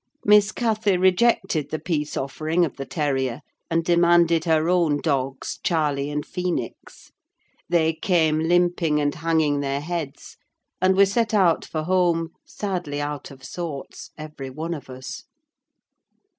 Miss Cathy rejected the peace offering of the terrier, and demanded her own dogs, Charlie and Phoenix. They came limping and hanging their heads; and we set out for home, sadly out of sorts, every one of us.